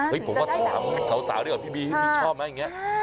โอ้ยผมว่าถามเขาสาวด้วยกว่าพี่บีพี่ดุ๊คชอบไหมอย่างเนี้ย